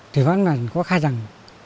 thì bà văn mèn có khai rằng